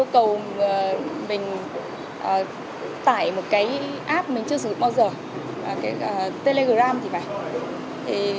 câu mình tải một cái app mình chưa sử dụng bao giờ telegram thì phải